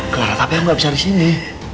clara tapi aku gak bisa disini